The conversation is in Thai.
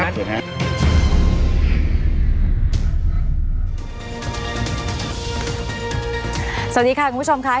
สวัสดีค่ะคุณผู้ชมค่ะ